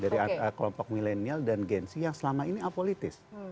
dari kelompok milenial dan gen y yang selama ini apolitis